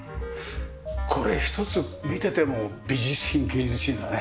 これ一つ見てても美術品芸術品だね。